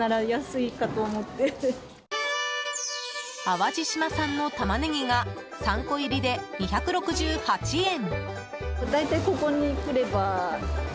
淡路島産のタマネギが３個入りで２６８円。